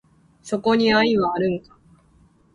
そこに愛はあるんか？